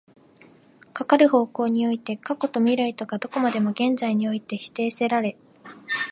かかる方向において過去と未来とがどこまでも現在において否定せられ、